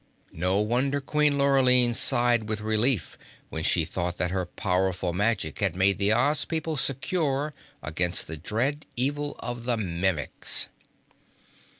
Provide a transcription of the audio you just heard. No wonder Queen Lurline sighed with relief when she thought that her powerful magic had made the Oz people secure against the dread evil of the Mimics!